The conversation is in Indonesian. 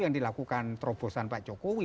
yang dilakukan terobosan pak jokowi